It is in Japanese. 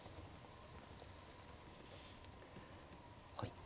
はい。